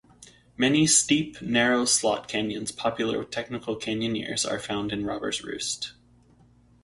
Many steep, narrow slot canyons popular with technical canyoneers are found in Robbers Roost.